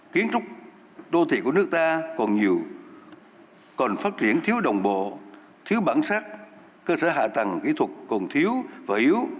kiến trúc đô thị của nước ta còn nhiều còn phát triển thiếu đồng bộ thiếu bản sắc cơ sở hạ tầng kỹ thuật còn thiếu và yếu